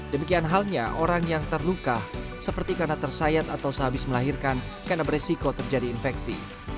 demikian halnya orang yang terluka seperti karena tersayat atau sehabis melahirkan karena beresiko terjadi infeksi